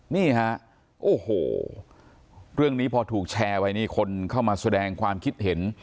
นี่ฮะโอ้โหเรื่องนี้พอถูกแชร์ไว้นี่คนเข้ามาแสดงความคิดเห็น